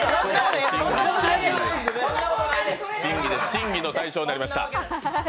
審議の対象になりました。